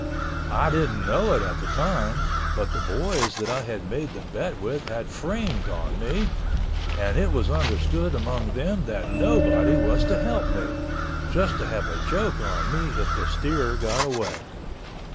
I didn't know it at the time, but the boys that I had made the bet with had framed on me—and it was understood among them that nobody was to help me—just to have a joke on me if the steer got away.